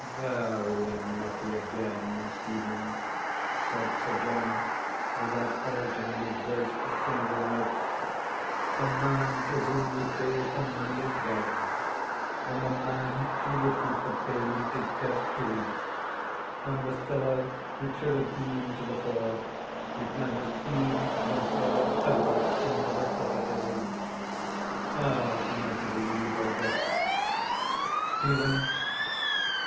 "Very unlucky again, Stephen," said Sir John, without altering his voice a single note. "The man to whom ye paid the money is dead, and the man who witnessed the payment is dead too; and the siller, which should have been to the fore, is neither seen nor heard tell of in the repositories. How am I to believe a' this?" _Stephen.